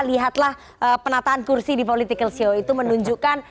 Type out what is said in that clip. lihatlah penataan kursi di political show itu menunjukkan